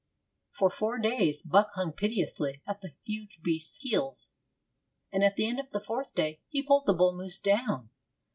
For four days Buck hung pitilessly at the huge beast's heels, and at the end of the fourth day he pulled the bull moose down.